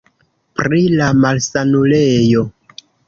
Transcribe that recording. Pri la malsanulejo.